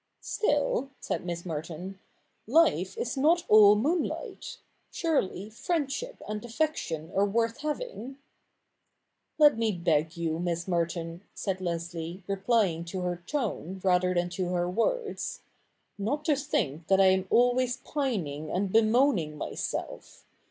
' Still,' said Miss Merton, ' life is not all moonlight. Surely friendship and affection are worth having ?'' Let me beg you, Miss Merton,' said Leslie, replying to her tone rather than to her words, 'not to think that I am always pining and bemoaning myself.